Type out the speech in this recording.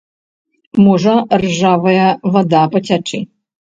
Можа ржавая вада пацячы.